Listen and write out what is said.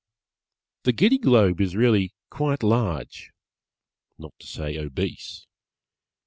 The Giddy Globe is really quite large, not to say obese.